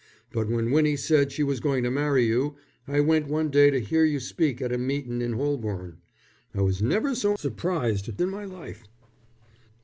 But when Winnie said she was going to marry you, I went one day to hear you speak at a meetin' in Holborn. I was never so surprised in my life."